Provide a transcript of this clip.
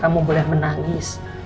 kamu boleh menangis